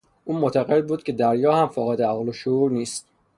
او معتقد بود که حتی دریا هم فاقد عقل و شعور نیست.